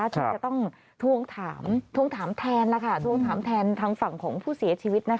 จะต้องทวงถามแทนทางฝั่งของผู้เสียชีวิต